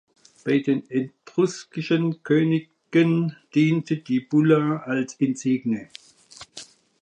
Bei den etruskischen Königen diente die Bulla als Insigne.